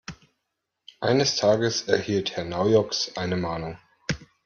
Eines Tages erhielt Herr Naujoks eine Mahnung.